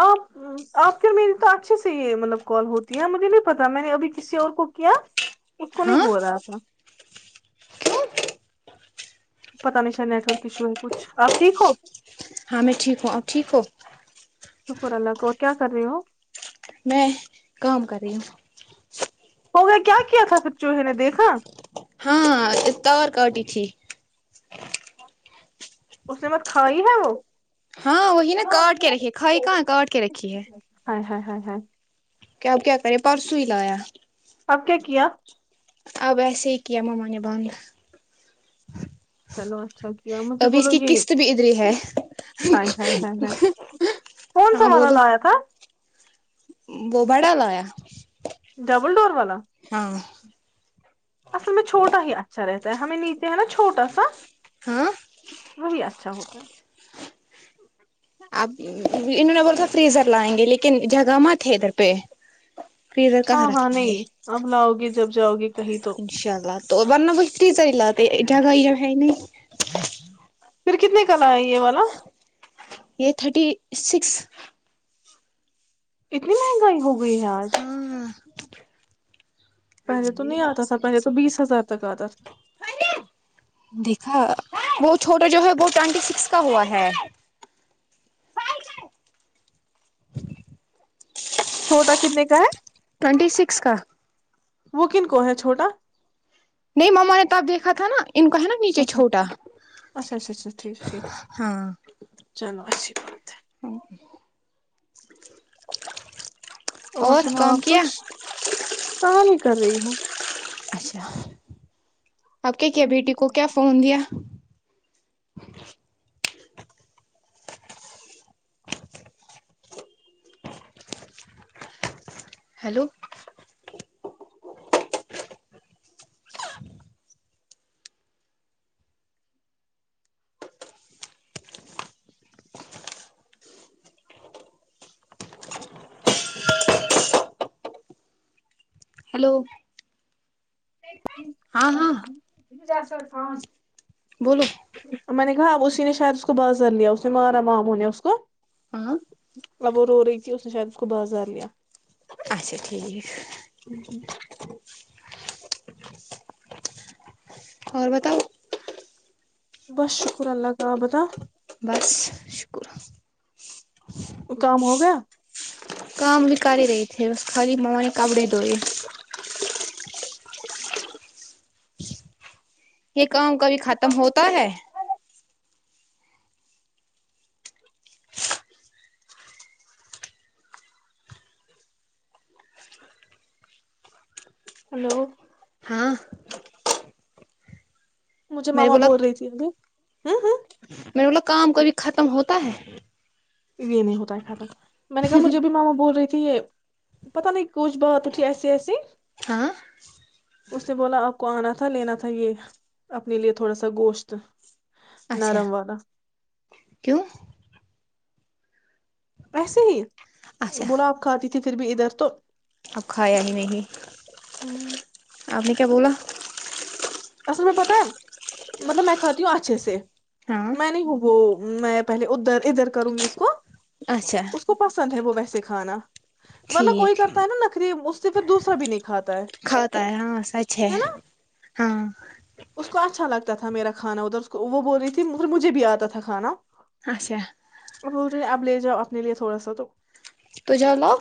آپ آپ کرھر میری تو اچھے سے یہ مطلب کال ہوتی ہے مجھے نہیں پتاہ میں نے ابھی کسی اور کو کیا اس کو نہیں ہاں ہو رہا تھا کیوں پت نہیں شا نیٹ ورک ایشو ہے کچھ آپ ٹھیک ہو ہاں میں ٹھیک ہوں اب ٹھیک ہو شکر اللہ کو اور کیا کر رہے ہو میں کام کر رہی ہوں ہو گیا کیا کیا تھا پ چوہے نے دیکھا ہاں تو اور کاٹی تھی اس نے مت کھاائی ہے وہ ہاں وہی نا کاٹ کے رکھی ہے کھائی کہاں کاٹ کے رکھی ہے ہاں ہاں [inaudible] کیا کیا کرے پرسوں ہی لایا اب کیا کیا [inaudible] اب ایسے ہی کیا مما نبان چلو [inaudible] اچھا کیا مجھے ابھی اس بولو کی یہ قسط بھی ادھر ہی ہے کون سا ہاں والانا بولو لایا تھا [inaudible] وہ بڑا لاویا ڈبل ڈور والا اصل میں چھوا ہی اچھا رہتا [inaudible] ہمیں نیچے ہے نا چھوٹا سا [inaudible] ہاں [inaudible] وہی اچھا ہوگا اب انہوں نے بول تھا فریزر لائیں گے لیکن جگاما تھے ادھر پہ فریزر کہاں ہاں ہاں رکھیں گے نہیں اب لاؤ گے جب جاؤ گے کہیں تو انشاء اللہ تو ورنہ بتری چل لاات جا ہے ہی نہیں پھر کتنے کل ہے یہ والا یہ تھرٹی سکس اتنی مہنگی ہو گئی ہے آج ہاں پہلے تو نہیں آتا تھا پہلے تو بیس ہزار تک آتا تھا دیکھا وہ چھوٹا جو ہے وہ ٹوینٹی سکس کا ہوا ہے چھوٹا کتنے کا ہے ٹوونٹی سکس کا وہ کن کو ہے چھوٹا نہیں مما نے تب دیکھا تھا نا ان کو ہے نا اچھا نیچے اچھا چھوٹا اچھا اچھا اچھا ٹھیک ٹھیک ہاں چلو اچھی بات ہے ہاں [inaudible] اور سناؤ آپ کچھ کہاں نہیں کر رہی ہوں اچھا [inaudible] آپ کیا کیا بیٹی کو کیا فون دیا [inaudible] ہیلو [inaudible] ہیلو ہاں ہاں جاس فان [inaudible] بولو میں نے کہا اسی نے شاید اس کو بازر لیا اس نے مارا ماموں نے اس کو ہاں [inaudible] اب وہ رو رہی تھی اس نے شاید اس کو بازار لیا اچھا ٹھیک اور بتاؤ بس شکر اللہ کاال آبتہ بس شکر وہ کام ہو گیا کام بھی کر ہی رہی تھھی بس خالی مو نے کپڑے دھوئے یہ کن کا بھی ختم ہوتا ہے ہلو ہاں مجھے میں نے ماما بول رہی تھی ابھی ہوں ہوں میرے بلا کام کبھی ختم ہوتا ہے یہ نہیں ہوتا ہے ختم میں نے کہا مجھے بھی ماما بول رہی تھی یہ پتا نہیں کچھ بات اٹھی ایسی ایسی ہاں اس نے بولا آپ کو آنا تھا لینا تھا یہ اپنے لیے تھوڑا سا گوشت اچھا نرم والا کیوں ایسے ہی اچھا گلاب کھاتی تھی پھر بھی ادھر تو آکھایا نہیں نہیں اپنی کیا بولا اصل میں پتہ مطلب میں کھتیوں اچھے سے ہاں میں نہیں ہوں وہ میں پہلے ادھر ادھر کروں گی اس کو اچھا اس کو پسند ہے وہ وی سکھانا ورنہ کوئی ٹھیک کرتا ہے نا نخری صرف دوسرا نہیں کھاتا ہے کاؤتا ہے ہاں سچ ہے ہاں ج اس کو اچھا لگتا تھا میرا کھانا ادھر وہ بول رہی تھی م مجھے بھی آتا تھاھانا اچھا وہ ابل ج اپنے لیے تھوڑا سا تو تو جوولو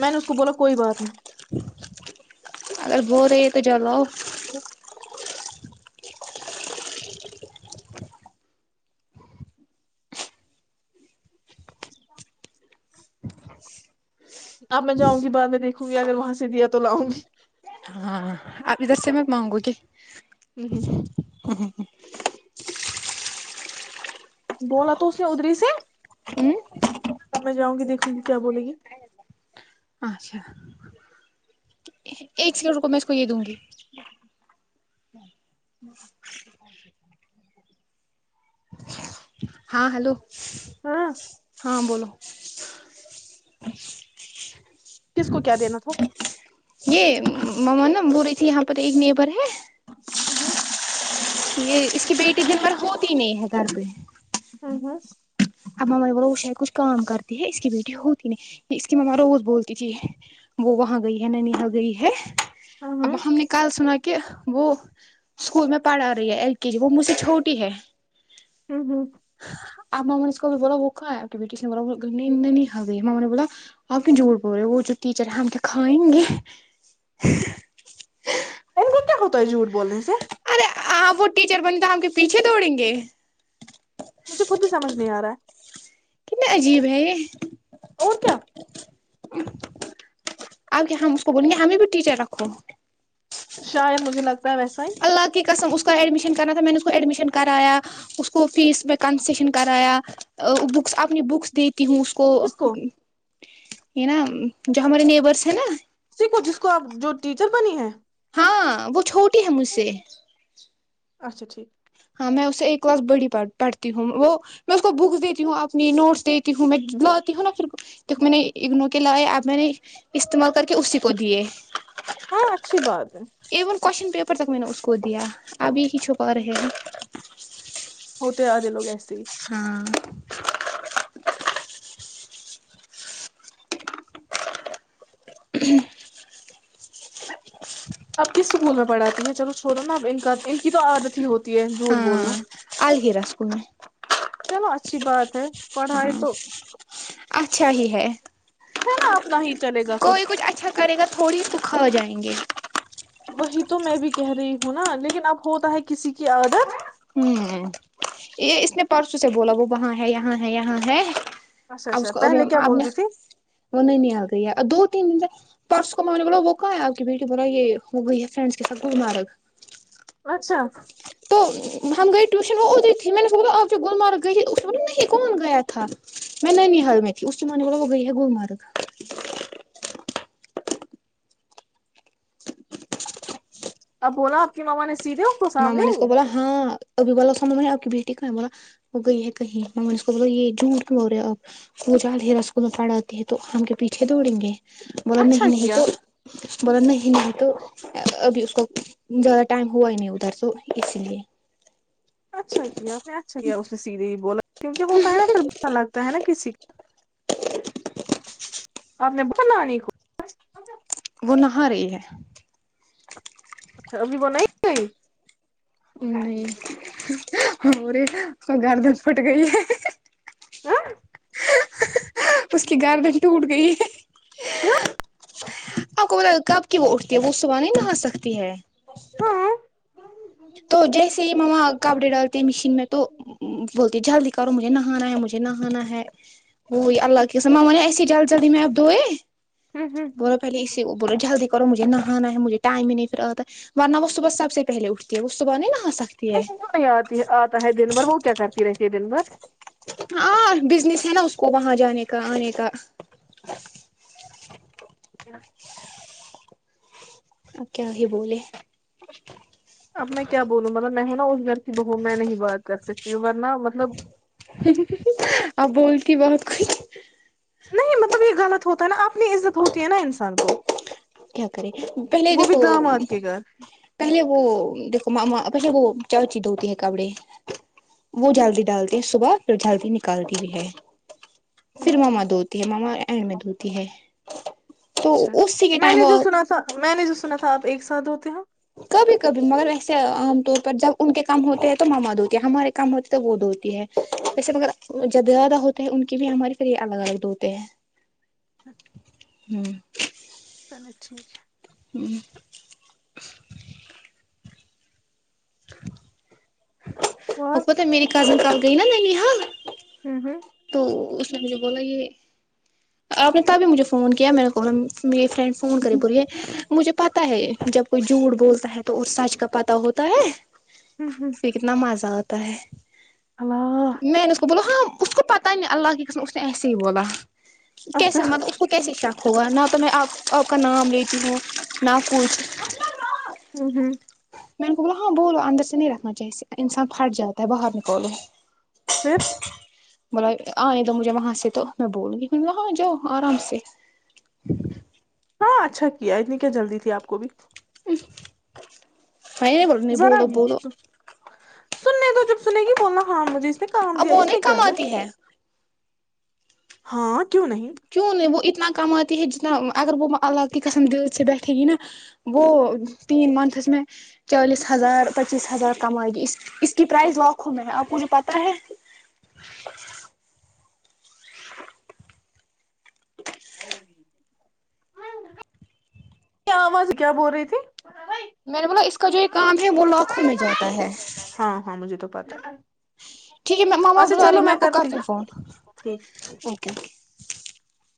میں نے اس کو بولا کوئی بات نہیں اگر بو رہے ہے تو چلو ا ہ اب میں جاؤں گی بعد میں دیکھوں گی اگر وہاں سے دیا تو لاؤں گی ہاں آپ ادھر سے میں مانگو گی رحت [inaudible] بولا تو اس نے ادری سے [unintelligible] کیا میں جاؤں گی دیکھوں کیا بولے گی [unintelligible] اچھا ایک سلوڈ کو میں اس کو یہ دوں گی [unintelligible] ہاں ہلو [unintelligible] ہاں [inaudible] ہاں بولیو [inaudible] کس کو کیا دینا تھا؟ [unintelligible] یہ مما نا ب رہی تھی یہاں پر ایک نیبر ہے [unintelligible] ا ہو [inaudible] یہ اس کی بیٹی دن بھر ہوتی نہیں ہے گھر میں [unintelligible] ہوں ہاں [inaudible] اب ماما نے بولا وہ شاید کچھ کام کرتی ہے اس کی بیٹی ہوتی نہیں کہ اس کی ماما روز بولتی تھی وہ وہاں گئی ہے نن یہاں گئی ہے [unintelligible] اب ہوں ہم نے کال سنا کہ [unintelligible] کہ وہ اسکول میں پڑھا رہی ہے ایل کے جی وہ مجھ سے چھوٹی ہے [unintelligible] ہوں ہوں آب ہم با وہوکھا ہےا ہم نے بولا آپ کی جڑ بول رہے وہ جو ٹیچر ہے ہم تو کھائیں گے انمت کیا ہووہ جیٹھ بولے سے آ وہ ٹیچر بنے تو ہم کے پیچھے دوڑیں گے مجھے خود بھی سمجھ نہیں آ رہا ہے کنا عجیب ہے یہ ہے اور کیا آ کیا ہم کوول گ ہم بھی ٹیٹا رکھو شاید مجھے لگتا ہے ویسا ہی اللہ کی قسم اس کا ایڈمیشن کرنا تھا میں نے ایڈمیشن کرایا اس کو فیس میں کنسیشن کرایا بکس اپنی بکس دی کہ ہوں اس کو ہے نا جو ہمارے نیبرس ہیں نا سیکھو جس کو آپ جو ٹیچر بنی ہے ہاں وہ چھوٹ [unintelligible] اچھا ٹھیک میں اسے ایک کلاس بڑی پڑتی ہوں وہ میں اس کو بکس دیتی ہوں اپنی نوٹس دیتی ہوں میں لاتی ہوں نا پھر د میں نے اگنو کے لائے اب میں نے استعمال کر کے اسی کو دیے ہاں اچھی بات ہے ایون کوشچن پیپر تک میں نے اس کو دیا ابھی ک چھپا رہے گ [unintelligible] ہاں [inaudible] اب کس اسکول میں پڑھاتی ہیں چلو چھوڑو نا ا ان کا ان کی تو عادت ہی ہوتی ہے جھوٹ بولنا [inaudible] چلو اچھی بات ہے پڑھا ہے ہاں تو اچھا ہی ہے ہے نا اپنا ہی چلے گا کوئی کچھ اچھا کرے گا تھوڑی سکھا جائیں گے ہ گے وہی تو میں بھی کہہ رہی ہوں نا لیکن اب ہوتا ہے کسی کی عادت ہوں یہ اس نے پرسوں سے بولا وہ وہاں ہے یہاں ہے یہاں ہے [inaudible] اچھا اچھا پہلے کیا بولتی تھی پرس کو میں نے بولا وہ کہا ہے آپ کی بیٹی بولا یہ ہو گئی ہے فرینڈ کے سھ گ مرگ اچھا ہم گئے ٹیوشن وہ ای تھی میں نے اس ب آپ جو گرگ گئی تھی اس ب نہیں کون گیا تھا میں نینی حال میں تھی اس کےم نے بلا وہ گئی ہے گلمرگ اب بولا آپ کی ماما نے سیدھے اس کو میں سامنے نے اس کو بولا ہاں مما نے بولا اس کی بیٹی کہا ہے اس نے بولا وہ گئی ہے کہیں ہم کیا پیچھے دوڑیں گے بول اچھا نہیں نہیں کیا تو بول نہیں ہی نہیں تو ابھی اس زدا ٹائم ہوائی نہیں ا ترسوں اس لیے اچھا کیا نے اچھا کیا اس نے سیدھے بولا کیونکہ ہوتا ہے نا پھر با لگتا ہے نا کسی کا آپ نے ب لانی وہ نہا رہی ہے ابھی بنائی گئی نہیں اور گھر دھر پٹ گئی ہے ہاں اس کی گھر بھی ٹوٹ گئی ہے آپ کو پت کب کی وہ اٹھتی ہے وہ صبح ہی نہا سکتی ہے تو جیسے ہی ماما کپڑے ڈالتے ہیں مشین میں تو ہوں بولتی جلدی کرو مجھے نہ نہانا ہے مجھے نہانا ہے وہی اللہ کے میں ایسے جلد جلدی میں اب دوئے بولو پہلے اسی بولو جلدی کرو مجھے نہ نہانا ہے مجھے ٹائم ہی نہیں ورنہ وہ صبح سب سے پہلے وہ اس بنے ن ہاں سک نہیں آتی آتا ہے دن بھر وہ کیا کرتی رہتی ہے دن بھر ہاں بزنس ہے نا اس کو وہاں جانے کا آنے کا [inaudible] ا کیا ہی بولے اب میں کیا بولوں میں ہوں نا اس گھر کی بہو میں نہیں بات کر سکتی ہوں ورنہ مطلب اب [inaudible] نہیں مطلب یہ غلط ہوتا ہے نا اپنی عزت ہوتی ہے نا انسان کو کیا کرے پہلے وہ بھی دیکھو داماد کے گھر پہلے وہ دیکو پیسے وہ چاچی دھتی ہے کپڑے وہ جلدی ڈالتی ہیں صبح پھر جلدی نکالتی بھی ہے پھر ماما دھوتی ہے ماما این میں دھوتی ہے تو اچھا اس س کے میں ٹائم نے جو وہ سنا تھا میں نے جو سنا تھا ایک ساتھ ہوتے ہیں کبھی کبھی مگر ویسے عام طور پر جب ان کے کام ہوتے ہیں تو ماما دھوتی ہمارے کام ہوتے ہے تو وہ دھوتی ہے ویسے مگر جب زیادہ ہوتے ہیں ان کی بھی ہماریے پھر یہ الگ الگ دھوتے ہیں ہ [inaudible] [inaudible] [inaudible] ا اور پت میری کازن کر گئی نا ننی حال ہوں ہوں تو اس نے مجھے بولا یہ آپ نے تبھی مجھے فون کیا میرے کو میری فرینڈ فون کر بوریے مجھ پتا ہے جب کوئی جھوٹ بولتا ہے تو اور سچ کا پتا ہوتا ہے پ کتنا مزہ ہوتا پرے اللہ میں ن اس کو بولو ہاں اس کو پتا ہی نہیں اللہ کی قسم اس نے ایسے ہی بولا اچھا کیسے مطلب اس کو کیسے شک ہوگا نہ تو میں آپ آپ کا نام لیتی ہوں نہ کچھ ہوں ہوں میں نے کو بولا ہاں بولو اندر سے نہیں رکھنا چاہیے انسان پھٹ جاتا ہے باہر نکولو پھر [unintelligible] بولا آنے دو مجھے وہاں سے تو میں بول گیاں جاؤ آرام سے ہاں اچھا کیا اتنی کیا جلدی تھی آپ کو بھی ہ [unintelligible] میں نہیں ب نہیں بہ ذرا دو بہ دو سننے تو جب سنے گی بولنا ہاں مج جی اب وہ نہیں کم آتی ہے ہاں کیوں نہیں کیوں نہیں وہ اتنا کماتی ہے جتنا اگر وہ الگ کی قسم دل سے بیٹھے گی نا وہ تین منتھس میں چالیس ہزار پچیس ہزار کمائے گی اس اس کی پرائز لاکھوں میں ہے آپ مجھے پتہ ہے [unintelligible] آواز کیا بول رہی تھی میں نے بولا اس کا جو کام ہے وہ لاکھوں میں جاتا ہے ہاں ہاں مجھے تو پتا ٹھیک ہے میں ماما بل رہی میں آپ کو کرتی ہوں فون اوکے [unintelligible]